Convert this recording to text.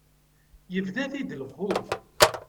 Yebda-t-id lxuf.